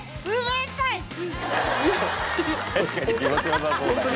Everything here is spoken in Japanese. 確かに気持ち良さそう。